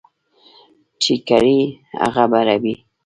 چي کرې، هغه به رېبې.